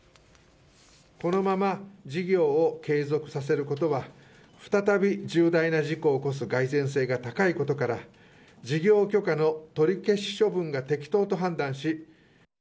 このまま事業を継続させることは、再び重大な事故を起こす蓋然性が高いことから、事業許可の取り消し処分が適当と判断し。